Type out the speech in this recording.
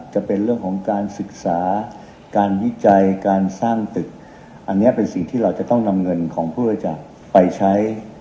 จะเป็นเรื่องของการศึกษาการวิจัยการสร้างตึกอันนี้เป็นสิ่งที่เราจะต้องนำเงินของผู้บริจาคไปใช้